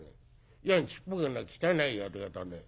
いやにちっぽけな汚い宿屋だね。